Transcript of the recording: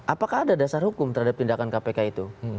apakah ada dasar hukum terhadap tindakan kpk itu